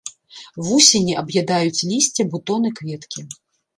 Вусені аб'ядаюць лісце, бутоны, кветкі.